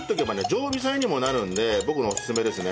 常備菜にもなるんで僕のオススメですね。